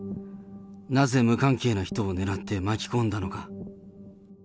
なぜ無関係の人を狙って巻き込んだのか。